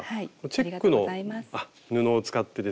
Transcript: チェックの布を使ってですね